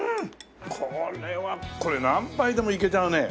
これはこれ何杯でもいけちゃうね